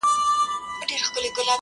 شعرونه دي هر وخت د ملاقات راته وايي _